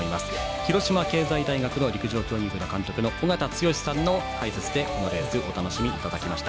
広島経済大学陸上競技部監督の尾方剛さんの解説で、このレースお楽しみいただきました。